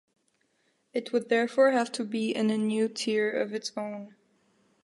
It would therefore have to be in a new tier of its own.